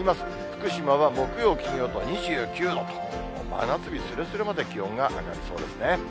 福島は木曜、金曜と２９度と、真夏日すれすれまで気温が上がりそうですね。